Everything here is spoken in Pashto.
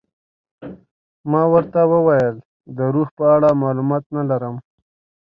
ما ورته وویل د روح په اړه معلومات نه لرم.